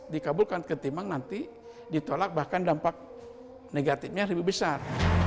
dikabulkan ketimbang nanti ditolak bahkan dampak negatifnya lebih besar